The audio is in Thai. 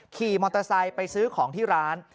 ขี่มอเตอร์ไซค์ไปซื้อของที่ร้าน